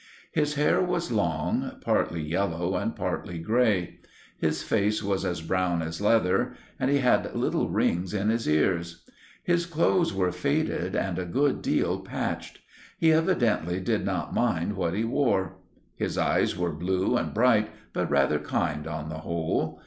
His hair was long, partly yellow and partly grey; his face was as brown as leather; and he had little rings in his ears. His clothes were faded and a good deal patched. He evidently did not mind what he wore. His eyes were blue and bright, but rather kind on the whole.